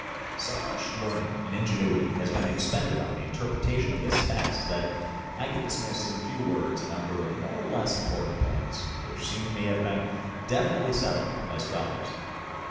So much learning and ingenuity has been expended on the interpretation of this text that I can dismiss in a few words a number of more or less important points which seem to me to have been definitely settled by scholars.